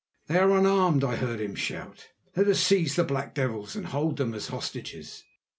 "They are unarmed," I heard him shout. "Let us seize the black devils and hold them as hostages."